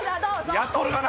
やっとるがな！